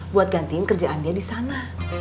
buat gantiin kerjaan dia disana